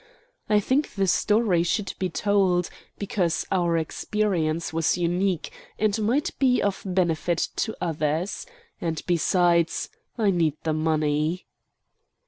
I think the story should be told, because our experience was unique, and might be of benefit to others. And, besides, I need the money.